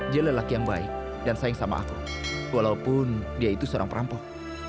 dia lelaki yang baik dan sayang sama aku walaupun dia itu seorang perampok